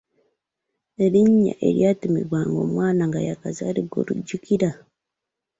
Erinnya eryatuumibwanga omwana nga yaakazaalibwa olijjukira?